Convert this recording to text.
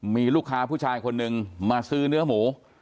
มีลูกค้าผู้ชายคนหนึ่งมาซื้อเนื้อหมู